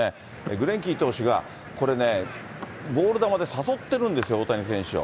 グレンキー投手がこれね、ボール球で誘ってるんですよ、大谷選手を。